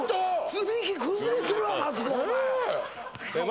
積木崩れてるわマツコお前